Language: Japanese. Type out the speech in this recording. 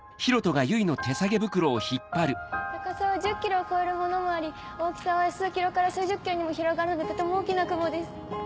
高さは１０ｋｍを超えるものもあり大きさは数ｋｍから数十ｋｍにも広がるのでとても大きな雲です。